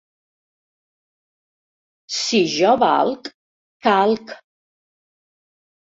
Si jo valc, calc.